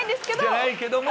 じゃないけども。